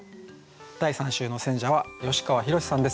第３週の選者は吉川宏志さんです。